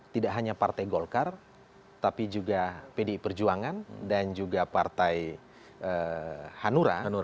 tidak hanya partai golkar tapi juga pdi perjuangan dan juga partai hanura